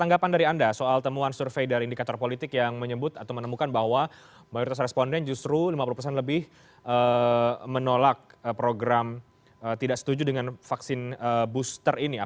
ada dua variabel yang mencolok di sini